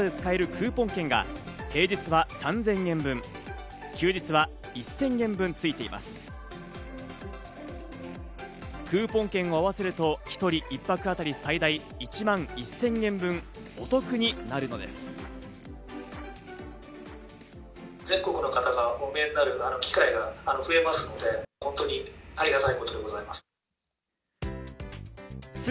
クーポン券を合わせると１人１泊あたり最大１万１０００円分お得になるのです。